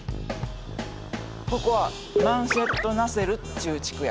ここはマンシェット・ナセルっちゅう地区や。